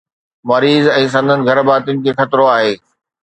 مريض ۽ سندن گهرڀاتين کي خطرو آهي.